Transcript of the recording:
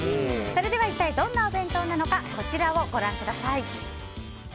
一体どんなお弁当なのかこちらをご覧ください。